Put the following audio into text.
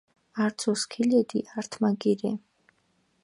არძო სქილედი ართმანგი რე.